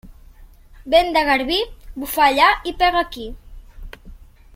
Vent de garbí, bufa allà i pega aquí.